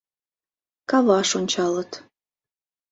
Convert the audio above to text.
Каваш ончалыт.